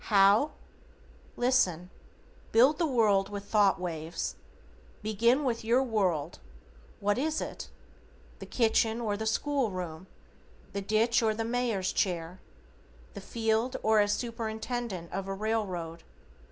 How? Listen. Build the World with Thought Waves. Begin with your WORLD, what is it? The kitchen or the school room? The ditch or the mayor's chair? The field or as superintendent of a railroad?